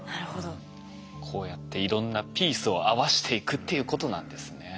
こうやっていろんなピースを合わしていくっていうことなんですね。